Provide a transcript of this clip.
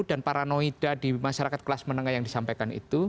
tidak perlu dan paranoida di masyarakat kelas menengah yang disampaikan itu